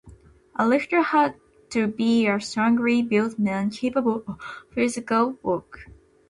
A lictor had to be a strongly built man, capable of physical work.